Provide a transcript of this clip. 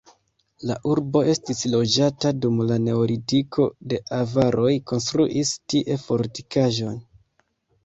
La urbo estis loĝata dum la neolitiko, la avaroj konstruis tie fortikaĵon.